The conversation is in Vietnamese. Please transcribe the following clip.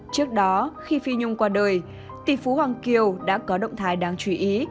trước đó khi phi nhung qua đời tỷ phú hoàng kiều đã có động thái đáng chú ý